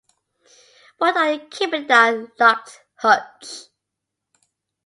What are you keeping in that locked hutch?